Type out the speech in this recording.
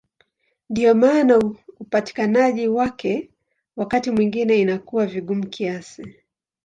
Ndiyo maana upatikanaji wake wakati mwingine inakuwa vigumu kiasi.